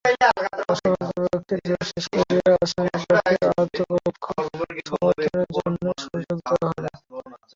আসামিপক্ষের জেরা শেষ হলে আসামিপক্ষের আত্মপক্ষ সমর্থনের জন্য সুযোগ দেওয়া হবে।